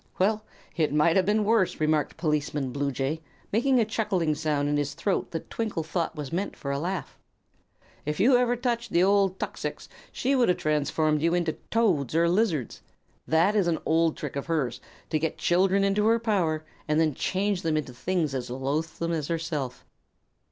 "Well, it might have been worse," remarked Policeman Bluejay, making a chuckling sound in his throat that Twinkle thought was meant for a laugh. "If you had ever touched the old tuxix she would have transformed you into toads or lizards. That is an old trick of hers, to get children into her power and then change them into things as loathsome as herself."